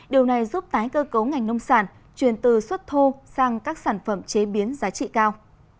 điều này giúp tái cơ cấu ngành nông sản truyền từ xuất thô sang các sản phẩm chế biến giá trị cao